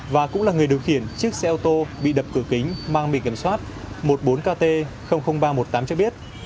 và cũng là người điều khiển chiếc xe ô tô bị đập cửa kính mang bị kiểm soát một mươi bốn kt ba trăm một mươi tám cho biết